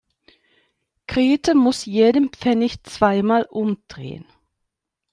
Grete muss jeden Pfennig zweimal umdrehen.